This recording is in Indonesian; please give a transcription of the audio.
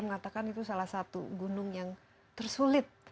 mengatakan itu salah satu gunung yang tersulit